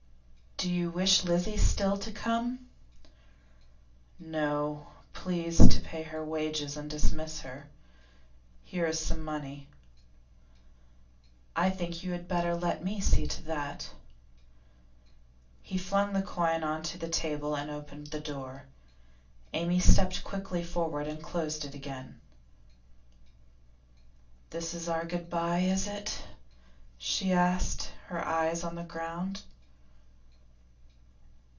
'Do you wish Lizzie still to come?' 'No. Please to pay her wages and dismiss her. Here is some money.' 'I think you had better let me see to that.' He flung the coin on to the table and opened the door. Amy stepped quickly forward and closed it again. 'This is our good bye, is it?' she asked, her eyes on the ground.